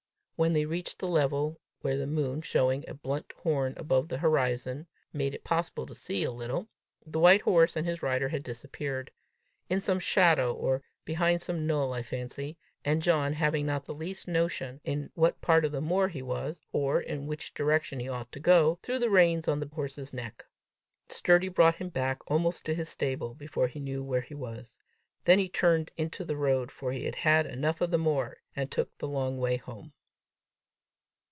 When they reached the level, where the moon, showing a blunt horn above the horizon, made it possible to see a little, the white horse and his rider had disappeared in some shadow, or behind some knoll, I fancy; and John, having not the least notion in what part of the moor he was, or in which direction he ought to go, threw the reins on the horse's neck. Sturdy brought him back almost to his stable, before he knew where he was. Then he turned into the road, for he had had enough of the moor, and took the long way home.